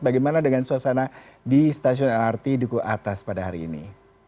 bagaimana dengan suasana di stasiun lrt duku atas pada hari ini